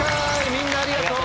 みんなありがとう！